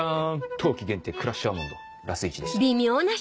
冬季限定クラッシュアーモンドラスイチでした。